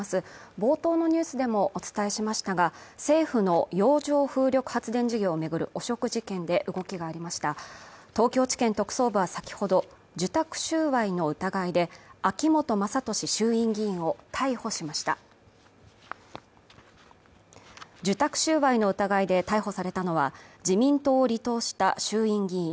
冒頭のニュースでもお伝えしましたが政府の洋上風力発電事業を巡る汚職事件で動きがありました東京地検特捜部は先ほど受託収賄の疑いで秋本真利衆院議員を逮捕しました受託収賄の疑いで逮捕されたのは自民党を離党した衆院議員